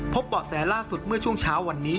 เบาะแสล่าสุดเมื่อช่วงเช้าวันนี้